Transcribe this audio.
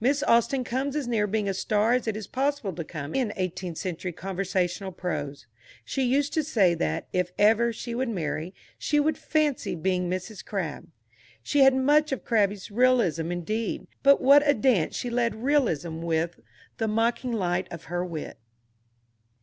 Miss Austen comes as near being a star as it is possible to come in eighteenth century conversational prose. She used to say that, if ever she should marry, she would fancy being Mrs. Crabbe. She had much of Crabbe's realism, indeed; but what a dance she led realism with the mocking light of her wit!